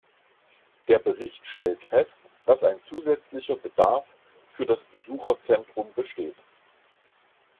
Der Bericht stellt fest, dass ein zusätzlicher Bedarf für das Besucherzentrum besteht.